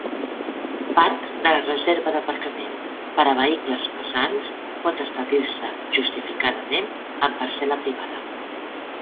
Part de la reserva d'aparcament per a vehicles pesants pot establir-se, justificadament, en parcel·la privada.